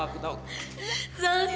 jangan lepas aku tuh jahat